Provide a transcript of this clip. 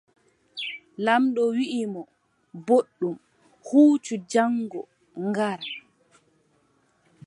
Laamɓo wii mo: booɗɗum huucu jaŋgo ngara.